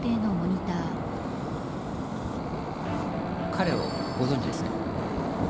彼をご存じですね。